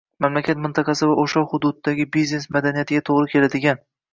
mamlakat mintaqasi va oʻsha hududdagi biznes madaniyatiga toʻgʻri keladigan